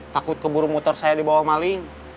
takut keburu motor saya dibawa maling